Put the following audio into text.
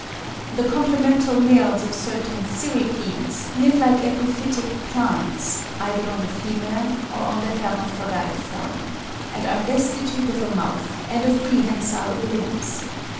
The complemental males of certain Cirripedes live like epiphytic plants either on the female or the hermaphrodite form, and are destitute of a mouth and of prehensile limbs.